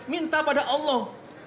minta pada allah